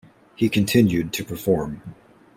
He continued to perform.